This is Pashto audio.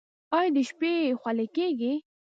ایا د شپې خوله کیږئ؟